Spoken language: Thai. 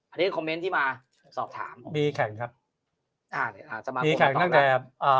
อันนี้คอมเมนท์ที่มาสอบถามมีแข่งครับมีแข่งตั้งแต่